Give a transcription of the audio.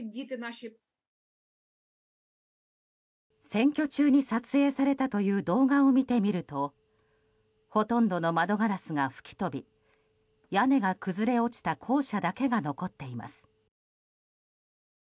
占拠中に撮影されたという動画を見てみるとほとんどの窓ガラスが吹き飛び屋根が崩れ落ちた校舎だけが残っています。